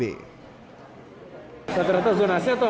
hai terima kasih terima kasih semua masalah sebelum notes old